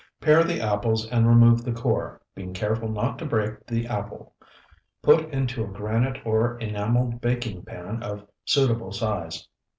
Pare the apples and remove the core, being careful not to break the apple. Put into a granite or enameled baking pan of suitable size.